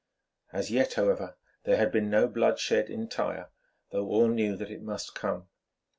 As yet, however, there had been no blood shed in Tyre, though all knew that it must come.